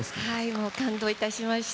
もう感動いたしました。